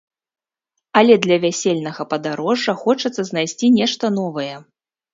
Але для вясельнага падарожжа хочацца знайсці нешта новае.